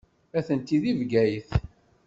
Atenti deg Bgayet.